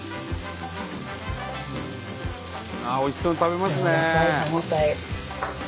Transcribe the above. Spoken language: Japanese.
ああおいしそうに食べますね。